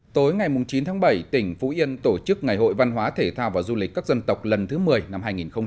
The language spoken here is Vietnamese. tối ngày chín tháng bảy tỉnh phú yên tổ chức ngày hội văn hóa thể thao và du lịch các dân tộc lần thứ một mươi năm hai nghìn một mươi chín